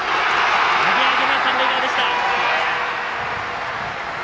アゲアゲな三塁側でした。